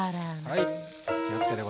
はい。